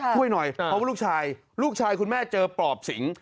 ช่วยหน่อยเพราะว่าลูกชายลูกชายคุณแม่เจอปลอบสิง